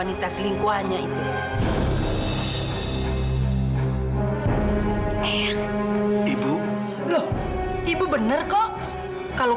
untuk memberi kesempatan kepada ismail ini